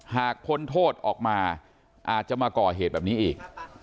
พ้นโทษออกมาอาจจะมาก่อเหตุแบบนี้อีก